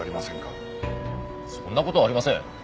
そんな事はありません。